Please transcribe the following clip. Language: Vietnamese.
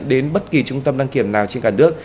đến bất kỳ trung tâm đăng kiểm nào trên cả nước